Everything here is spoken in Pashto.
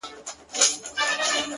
پر وجود څه ډول حالت وو اروا څه ډول وه ـ